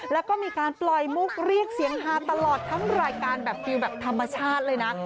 แล้วก็มีการปล่อยมุกเรียกเสียงฮาตลอดทั้งรายการแบบฟิลแบบธรรมชาติเลยนะ